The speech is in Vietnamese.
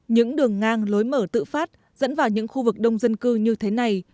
những đường ngang lối mở tự phát dẫn vào những khu vực đông dân cư như thế này